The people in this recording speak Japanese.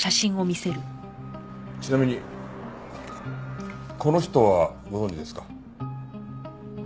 ちなみにこの人はご存じですか？